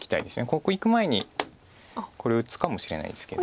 ここいく前にこれ打つかもしれないですけど。